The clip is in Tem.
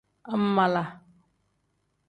Angmaala.